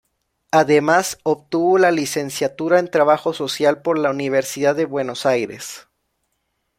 Además, obtuvo la licenciatura en Trabajo social por la Universidad de Buenos Aires.